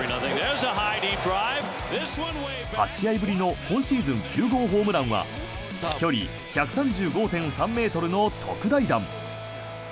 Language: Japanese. ８試合ぶりの今シーズン９号ホームランは飛距離１３５．３ｍの特大弾。